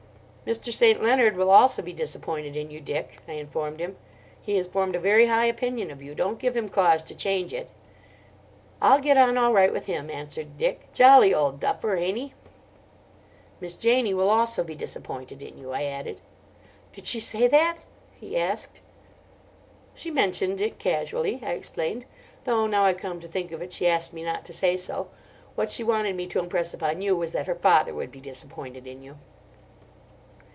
"Mr. St. Leonard will also be disappointed in you, Dick," I informed him. "He has formed a very high opinion of you. Don't give him cause to change it." "I'll get on all right with him," answered Dick. "Jolly old duffer, ain't he?" "Miss Janie will also be disappointed in you," I added. "Did she say that?" he asked. "She mentioned it casually," I explained: "though now I come to think of it she asked me not to say so. What she wanted me to impress upon you was that her father would be disappointed in you."